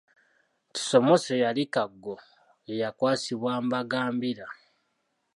Kisomose eyali Kaggo ye yakwasibwa Mbagambira.